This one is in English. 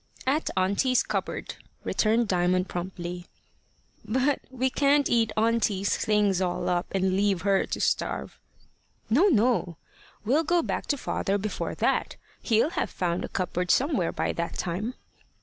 "At auntie's cupboard," returned Diamond promptly. "But we can't eat auntie's things all up and leave her to starve." "No, no. We'll go back to father before that. He'll have found a cupboard somewhere by that time."